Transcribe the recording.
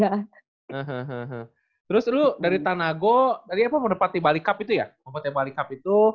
hahaha terus lo dari tanago dari apa merpati bali cup itu ya mopetnya bali cup itu